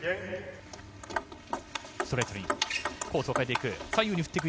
ストレートにコースを変えていく。